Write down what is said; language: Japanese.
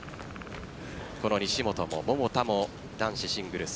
この西本も桃田も男子シングルス